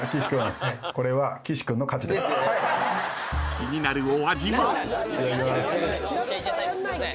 ［気になるお味は？］